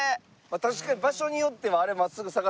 確かに場所によってはあれ真っすぐ下がってきたら。